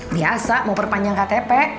biasa mau perpanjang ktp